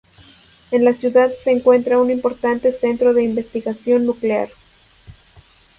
En la ciudad se encuentra un importante centro de investigación nuclear.